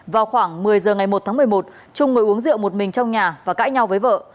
vào khoảng một mươi giờ ngày một tháng một mươi một trung mới uống rượu một mình trong nhà và cãi nhau với vợ